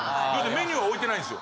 ・メニューは置いてないんですよ。